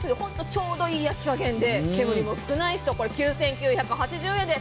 ちょうどいい焼き加減で煙も少ないし９９８０円で